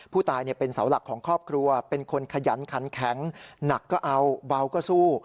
ผู้ตายเป็นเสาหลักของครอบครัวเป็นคนขยันขันแข็งหนักก็เอาเบาก็สู้